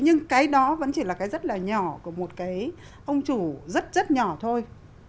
nhưng cái đó vẫn chỉ là cái rất là nhỏ của một cái ông chủ rất rất nhỏ thôi